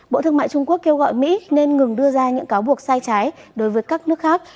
bộ thương mại trung quốc kêu gọi mỹ nên ngừng đưa ra những cáo buộc sai trái đối với các nước khác